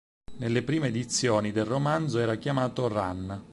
Nelle prime edizioni del romanzo era chiamato "Rann".